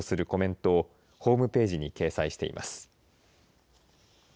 コメントをホームページに掲載しています。